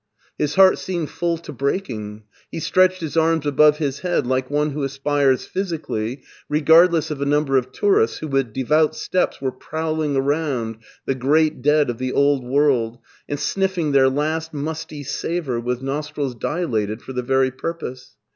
His heart seemed full to breaking. He stretched his arms above his head like one who aspires physically, regardless of a number of tourists who with devout steps were prowling around the great dead of the old world and snifling their last musty savor with nostrils dilated for the very purpose.